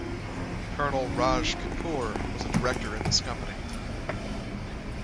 Colonel Raj Kapoor was a Director in this company.